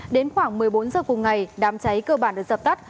đến khoảng một mươi bốn h cùng ngày đám cháy cơ bản được dập tắt